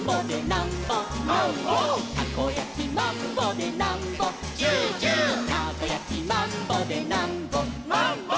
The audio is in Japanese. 「たこやきマンボでなんぼチューチュー」「たこやきマンボでなんぼマンボ」